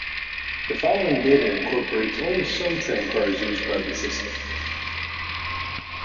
The following data incorporates only some tram cars used by the system.